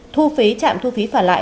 thu phí trạm thu phí phản lại